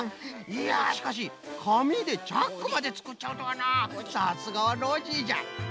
いやしかしかみでチャックまでつくっちゃうとはなさすがはノージーじゃ！